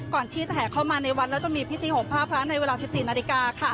ก่อนที่จะแห่เข้ามาในวัดแล้วจะมีพิธีห่มผ้าพระในเวลา๑๔นาฬิกาค่ะ